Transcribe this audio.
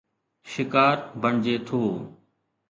شڪار بڻجي ٿو